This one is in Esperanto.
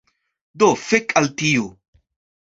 Do fek al tio